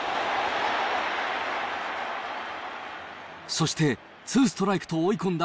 そしてツーストライクと追い込んだ